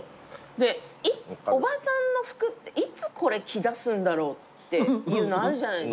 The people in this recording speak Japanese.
でおばさんの服っていつこれ着だすんだろうっていうのあるじゃないですか。